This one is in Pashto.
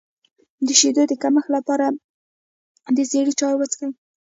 د شیدو د کمښت لپاره د زیرې چای وڅښئ